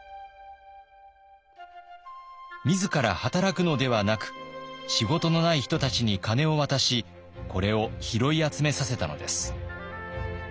自ら働くのではなく仕事のない人たちに金を渡しこれを拾い集めさせたのです。